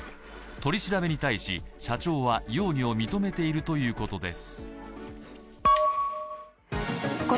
取り調べに対し、社長は容疑を認めているということです。